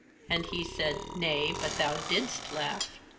And He said: ' Nay; but thou didst laugh.'